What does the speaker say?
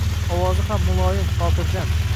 Ovozi ham muloyim-xotirjam